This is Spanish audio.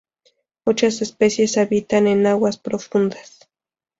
Muchas especies habitan en aguas profundas.